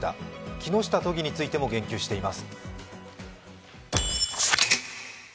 木下都議についても言及しています。